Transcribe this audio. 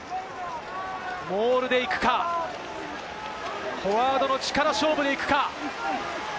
モールでいくか、フォワードの力勝負でいくか。